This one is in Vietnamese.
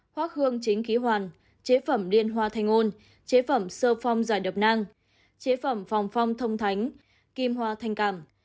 khoác hương chính khí hoàn chế phẩm liên hoa thanh ôn chế phẩm sơ phong giải đập nang chế phẩm phòng phong thông thánh kim hoa thanh cảm